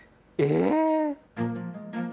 ええ⁉